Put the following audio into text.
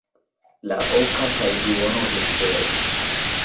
La oka kaj duono vespere.